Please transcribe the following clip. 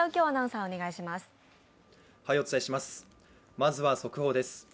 まずは速報です。